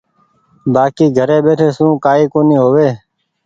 بآڪي گھري ٻيٺي سون ڪآئي ڪونيٚ هووي۔